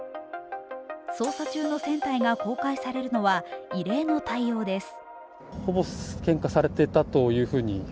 捜査中の船体が公開されるのは異例の対応です。